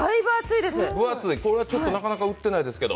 これはなかなか売ってないですけど。